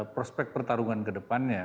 prospek pertarungan kedepannya